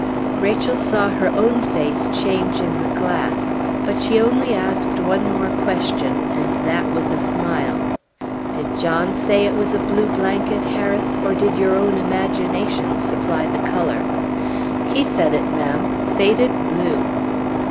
Rachel saw her own face change in the glass; but she only asked one more question, and that with a smile. "Did John say it was a blue blanket, Harris, or did your own imagination supply the color?" "He said it, m'm; faded blue."